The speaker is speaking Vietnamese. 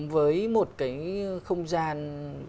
với một cái không gian